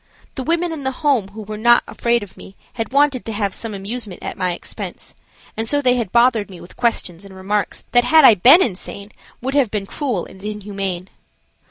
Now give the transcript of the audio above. The women in the Home who were not afraid of me had wanted to have some amusement at my expense, and so they had bothered me with questions and remarks that had I been insane would have been cruel and inhumane.